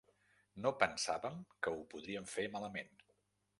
No pensàvem que ho podrien fer malament.